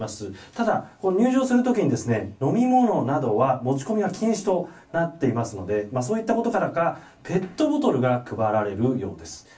ただ入場するときに飲み物などが持ち込み禁止となっていますのでそういったことからかペットボトルが配られるようです。